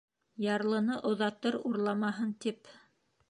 Ярлыны оҙатыр «урламаһын» тип.